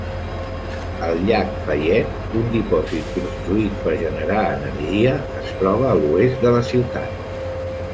El llac Fayette, un dipòsit construït per generar energia, es troba a l'oest de la ciutat.